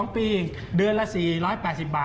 ๒ปีเดือนละ๔๘๐บาท